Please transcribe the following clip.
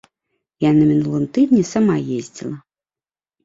Я на мінулым тыдні сама ездзіла.